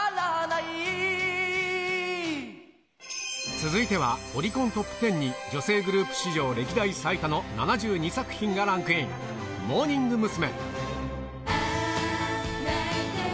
続いては、オリコントップ１０に女性グループ史上歴代最多の７２作品がランクイン、モーニング娘。